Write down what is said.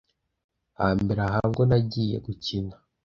Hambere aha bwo nagiye gukina